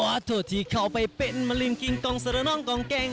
ขอโทษที่เข้าไปเป็นมะลิงกิงกองสระนองกองเก่ง